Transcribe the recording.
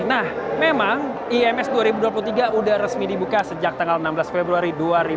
nah memang ims dua ribu dua puluh tiga sudah resmi dibuka sejak tanggal enam belas februari dua ribu dua puluh